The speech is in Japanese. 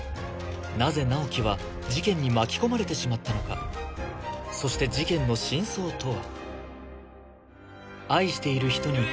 なぜ直木は事件に巻き込まれてしまったのかそして事件の真相とは？